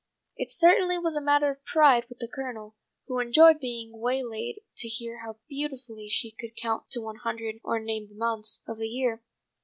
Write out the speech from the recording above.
It certainly was a matter of pride with the Colonel, who enjoyed being waylaid to hear how beautifully she could count to one hundred or name the months of the year.